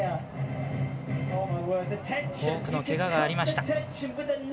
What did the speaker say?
多くのけががありました。